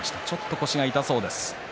腰が重そうです。